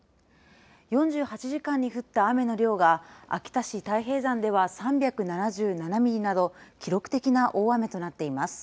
４８時間に降った雨の量が秋田市太平山では３７７ミリなど記録的な大雨となっています。